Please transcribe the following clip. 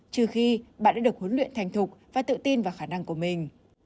trừ khi bạn đã được huấn luyện thành thục và tự tin vào khả năng của mình